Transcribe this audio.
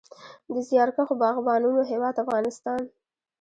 د زیارکښو باغبانانو هیواد افغانستان.